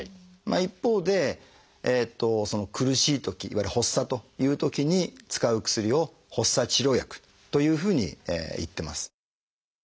一方で苦しいときいわゆる発作というときに使う薬を「発作治療薬」というふうにいってます。